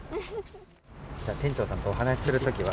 店長さんとお話するときは？